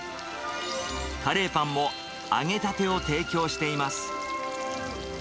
カレーパンも揚げたてを提供しています。